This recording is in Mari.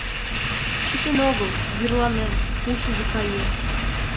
Чытен огыл, вӱрланен... ушыжо каен...